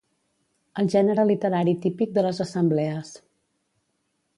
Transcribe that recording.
El gènere literari típic de les assemblees.